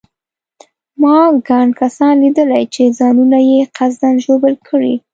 ما ګڼ کسان لیدلي چې ځانونه یې قصداً ژوبل کړي.